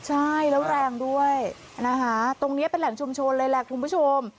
ใช่แล้วแรงด้วยนะคะตรงนี้เป็นแหล่งชุมชนเลยแหละคุณผู้ชม